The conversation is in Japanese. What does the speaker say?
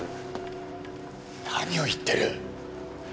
何を言ってる！